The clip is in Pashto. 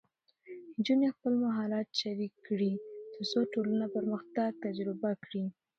نجونې خپل مهارت شریک کړي، ترڅو ټولنه پرمختګ تجربه کړي.